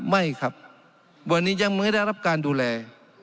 ไม่ครับวันนี้ยังไม่ได้รับการดูแล